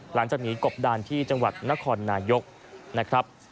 หลังจากหนีกบดานที่จังหวัดนครนายกนะครับ